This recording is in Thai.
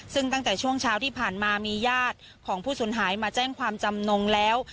ซึ่งตั้งแต่ช่วงเช้าที่ผ่านมามีญาติของผู้สูญหายมาแจ้งความจำนงแล้ว